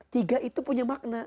tiga itu punya makna